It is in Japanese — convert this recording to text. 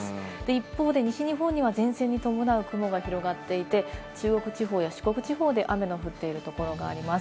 一方で西日本には前線に伴う雲が広がっていて、中国地方や四国地方で雨の降っているところがあります。